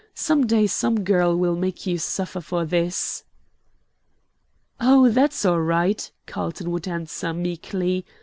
Some day some girl will make you suffer for this." "Oh, that's all right," Carlton would answer, meekly.